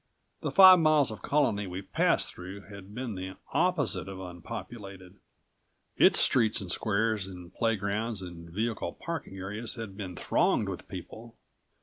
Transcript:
The five miles of Colony we passed through had been the opposite of unpopulated. Its streets and squares and playgrounds and vehicle parking areas had been thronged with people.